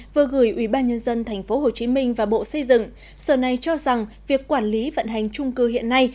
vừa gửi ubnd tp hcm và bộ xây dựng sở này cho rằng việc quản lý vận hành trung cư hiện nay